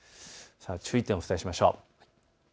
注意点お伝えしましょう。